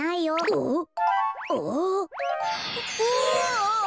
うわ。